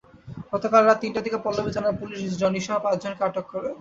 গতকাল রাত তিনটার দিকে পল্লবী থানার পুলিশ জনিসহ পাঁচজনকে আটক করে।